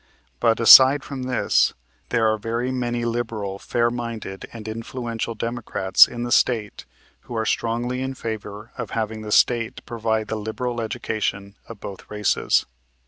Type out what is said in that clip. But, aside from this, there are very many liberal, fair minded and influential Democrats in the State who are strongly in favor of having the State provide for the liberal education of both races.